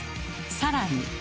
さらに。